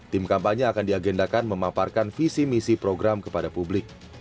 tim kampanye akan diagendakan memaparkan visi misi program kepada publik